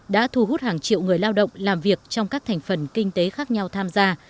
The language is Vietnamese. đã thu hút hàng triệu người lao động làm việc trong các thành phần kinh tế khác nhau tham gia